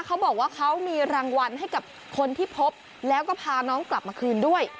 เขาบอกว่าเขามีรางวัลให้กับคนที่พบแล้วก็พาน้องกลับมาคืนด้วย